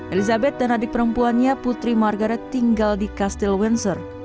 elizabeth dan adik perempuannya putri margaret tinggal di castle windsor